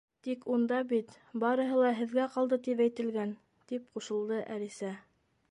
—Тик унда бит «Барыһы ла һеҙгә ҡалды», тип әйтелгән, — тип ҡушылды Әлисә.